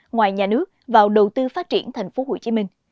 ngoài nhà nước vào đầu tư phát triển thành phố hồ chí minh